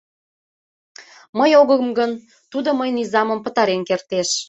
Мый огым гын, тудо мыйын изамым пытарен кертеш».